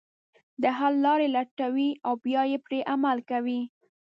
د حل لارې لټوي او بیا پرې عمل کوي.